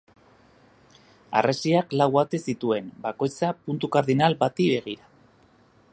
Harresiak lau ate zituen, bakoitza puntu kardinal bati begira.